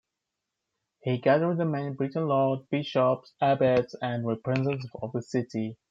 He gathered the main Breton lords and bishops, abbots and representatives of cities.